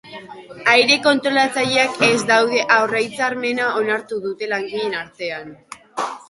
Aire-kontrolatzaileak ez daude aurrehitzarmena onartu dute langileen artean.